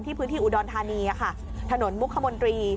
ที่พื้นที่อุดรธานีอ่ะค่ะถนนมุคคมนตรี